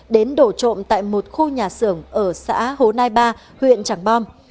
đến đổ trộm tại một khu nhà xưởng ở xã hồ nai ba huyện trảng bom